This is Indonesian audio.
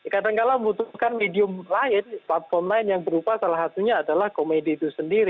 kadangkala membutuhkan medium lain platform lain yang berupa salah satunya adalah komedi itu sendiri